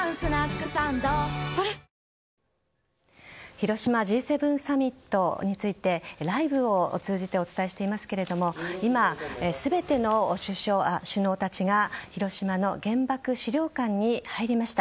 広島Ｇ７サミットについてライブを通じてお伝えしていますが今、全ての首脳たちが広島の原爆資料館に入りました。